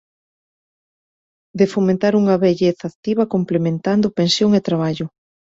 De fomentar unha vellez activa complementando pensión e traballo.